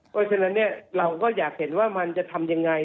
เพราะฉะนั้นเราก็อยากเห็นว่ามันจะทำยังไง